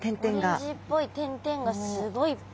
オレンジっぽい点々がすごいいっぱい。